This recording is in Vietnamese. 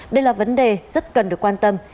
đây là vấn đề rất cần được quan tâm